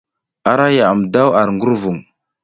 Ara yaʼam daw ar ngurvung.